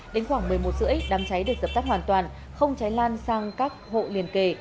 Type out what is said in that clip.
đến khoảng một mươi một giờ rưỡi đám cháy được dập tắt hoàn toàn không cháy lan sang các hộ liền kề